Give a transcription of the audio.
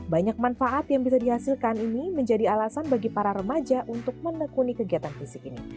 banyak manfaat yang bisa dihasilkan ini menjadi alasan bagi para remaja untuk menekuni kegiatan fisik ini